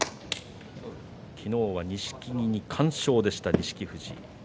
昨日は錦木に完勝でした錦富士。